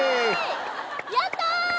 やった！